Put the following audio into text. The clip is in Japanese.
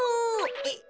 えっ。